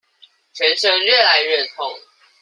全身越來越痛